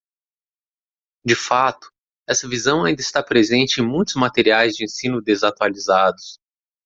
De fato, essa visão ainda está presente em muitos materiais de ensino desatualizados.